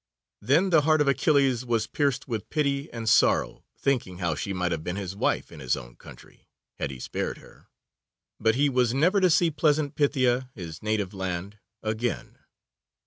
Then the heart of Achilles was pierced with pity and sorrow, thinking how she might have been his wife in his own country, had he spared her, but he was never to see pleasant Phthia, his native land, again.